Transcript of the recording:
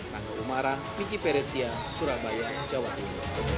rangga umara miki peresia surabaya jawa timur